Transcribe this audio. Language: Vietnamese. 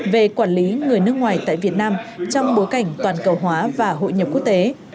về quản lý người nước ngoài tại việt nam trong bối cảnh toàn cầu hóa và hội nhập quốc tế